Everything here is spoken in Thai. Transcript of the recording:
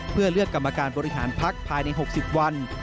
เพื่อเลือกกรรมการบริหารพักภายใน๖๐วัน